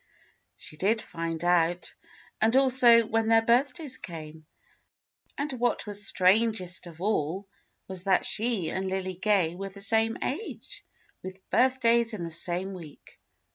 She did find out, and also when their birthdays came. And what was strangest of all was that she and Lily Gay were the same age, with birthdays in the same week.